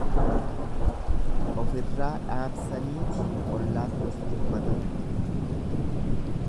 Ofirraa dhaamsaniiti ollatti dirmatan.